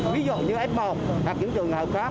ví dụ như f một hoặc những trường hợp khác